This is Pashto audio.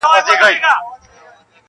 • تور به خلوت وي د ریاکارو -